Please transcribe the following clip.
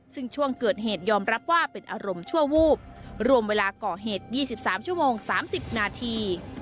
ซึ่งช่วงเกิดเหตุยอมรับว่าเป็นอารมณ์ชั่ววูบรวมเวลาก่อเหตุ๒๓ชั่วโมง๓๐นาที